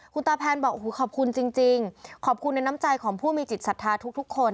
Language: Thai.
คุณตาแพนบอกโอ้โหขอบคุณจริงขอบคุณในน้ำใจของผู้มีจิตศรัทธาทุกคน